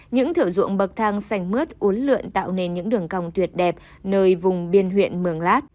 những thửa ruộng bậc thang sành mướt uốn lượn tạo nên những đường còng tuyệt đẹp nơi vùng biên huyện mường lát